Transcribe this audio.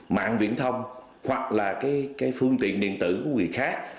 mạng viện thông hoặc phương tiện điện tử của người khác